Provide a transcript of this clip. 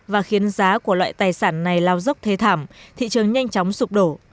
và khiến giá của loại tài sản này lao dốc thế thảm thị trường nhanh chóng sụp đổ